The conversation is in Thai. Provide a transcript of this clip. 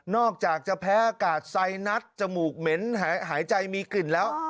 อกจากจะแพ้อากาศไซนัสจมูกเหม็นหายใจมีกลิ่นแล้ว